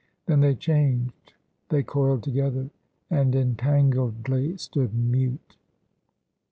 Then they changed; they coiled together, and entangledly stood mute.